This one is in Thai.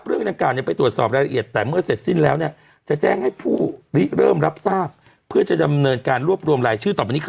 เรายังไม่ได้เปิดดูอะไรกันแบบนี้